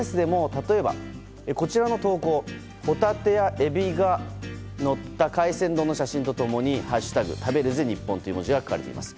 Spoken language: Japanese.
例えば、こちらの投稿ホタテやエビがのった海鮮丼の写真と共に「＃食べるぜニッポン」という文字が書かれています。